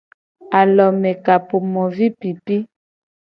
Alomekapomovipipi.